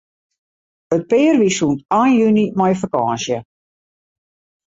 It pear wie sûnt ein juny mei fakânsje.